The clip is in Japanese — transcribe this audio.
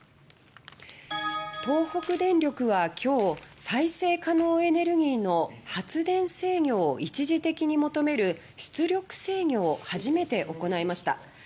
東北電力は今日再生可能エネルギーの発電制御を一時的に求める「出力制御」を初めて行いました。